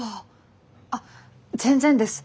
あっ全然です！